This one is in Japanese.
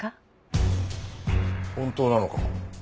本当なのか？